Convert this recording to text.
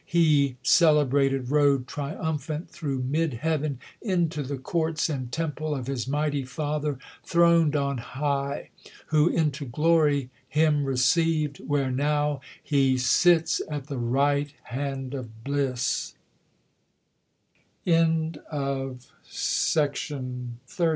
He, celebrated, rode Triumphant through mid Heav'n, into the courts And temple of his mighty Father, thron'd On high; who into glory him receiv'd, Where now he sits at the right hand of bliS5* 13 Slaa^SS / io 1.02 TH